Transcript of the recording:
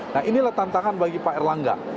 nah inilah tantangan bagi pak erlangga